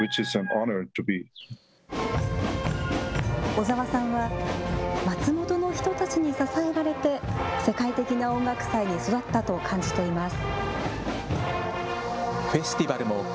小澤さんは松本の人たちに支えられて世界的な音楽祭に育ったと感じています。